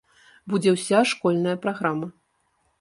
Будзе ўся школьная праграма!